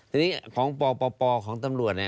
ทีนี้ของปปของตำรวจ